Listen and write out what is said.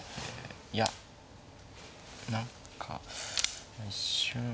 いや何か一瞬は。